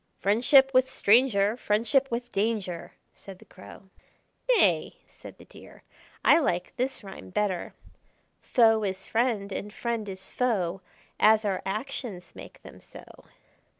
"Friendship with stranger, Friendship with danger!" said the Crow. "Nay!" said the Deer. "I like this rhyme better: "Foe is friend, and friend is foe, As our actions make them so."